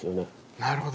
なるほど。